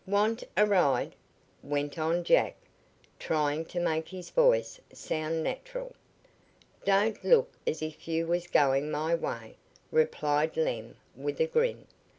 "Want a ride?" went on Jack, trying to make his voice sound natural. "Don't look as if you was goin' my way," replied Lem with a grin.